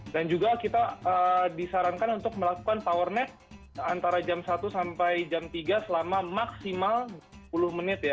dan juga kita disarankan untuk melakukan power nap antara jam satu sampai jam tiga selama maksimal sepuluh menit ya